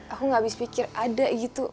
aku gak habis pikir ada gitu